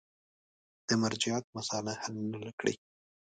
د مرجعیت مسأله حل نه کړي.